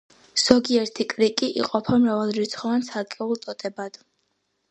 ზოგიერთი კრიკი იყოფა მრავალრიცხოვან ცალკეულ ტოტებად.